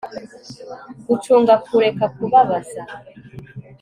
gucunga kureka kubabaza